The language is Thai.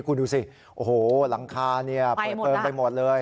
คุณดูสิโอ้โหหลังคาเปิดเพลิงไปหมดเลย